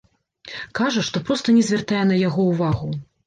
Кажа, што проста не звяртае на яго ўвагу.